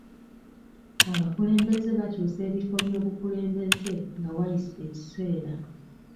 Abakulembeze bakyusa ebifo by'obukulembeze nga wayise ekiseera.